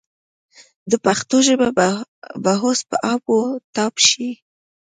د پښتو ژبه به اوس په آب و تاب شي.